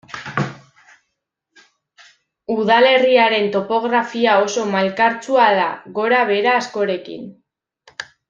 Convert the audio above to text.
Udalerriaren topografia oso malkartsua da, gorabehera askorekin.